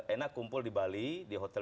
enak kumpul di bali di hotel